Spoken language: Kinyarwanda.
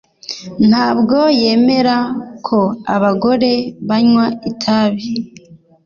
Ntabwo yemera ko abagore banywa itabi.